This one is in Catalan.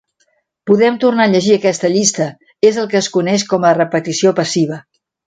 Podem tornar a llegir aquesta llista: és el que es coneix com a repetició passiva.